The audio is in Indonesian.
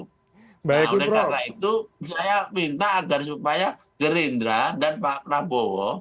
nah oleh karena itu saya minta agar supaya gerindra dan pak prabowo